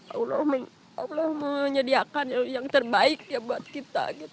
allah menyediakan yang terbaik ya buat kita